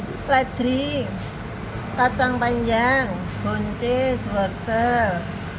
light drink kacang panjang buncis wortel